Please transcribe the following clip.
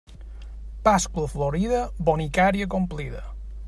Pasqua florida, bonicària complida.